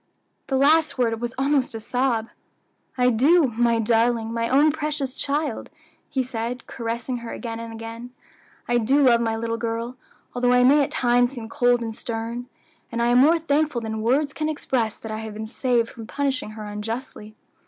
The last word was almost a sob. "I do, my darling, my own precious child," he said, caressing her again and again. "I do love my little girl, although I may at times seem cold and stern; and I am more thankful than words can express that I have been saved from punishing her unjustly.